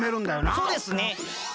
そうですね。